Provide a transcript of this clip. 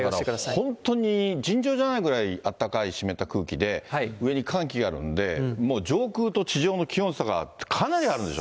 これがだから、本当に尋常じゃないくらい、あったかい湿った空気で、上に寒気があるんで、もう上空と地上の気温差がかなりあるんでし